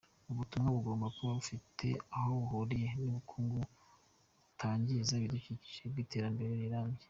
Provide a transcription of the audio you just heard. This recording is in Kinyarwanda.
Ubu butumwa bugomba kuba bufite ahobuhuriye n’Ubukungu butangiza ibidukikije mw’ iterambere rirambye.